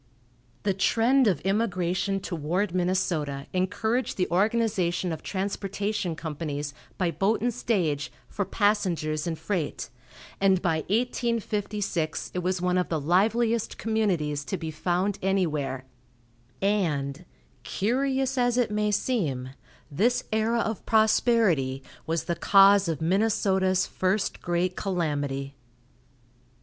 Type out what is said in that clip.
The trend of immigration toward Minnesota encouraged the organization of transportation companies, by boat and stage, for passengers and freight, and by 1856 it was one of the liveliest communities to be found anywhere, and, curious as it may seem, this era of prosperity was the cause of Minnesota's first great calamity.